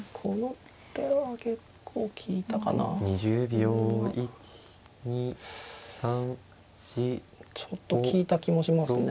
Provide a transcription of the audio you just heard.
これはちょっと利いた気もしますね。